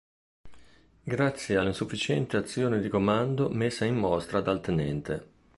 Grazie all'insufficiente azione di comando messa in mostra dal Ten.